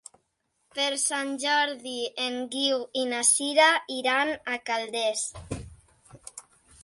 Per Sant Jordi en Guiu i na Sira iran a Calders.